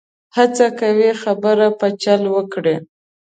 هڅه کوي خبره په چل وکړي.